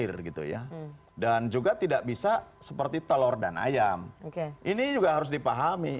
maka itu harus dipahami